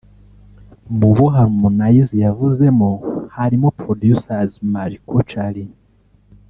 Mu bo Harmonize yavuzemo harimo Producers Marco Chali